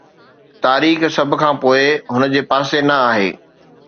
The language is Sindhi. تاريخ سڀ کان پوء هن جي پاسي نه آهي